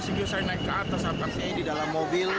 saya naik ke atas saya pasangnya di dalam mobil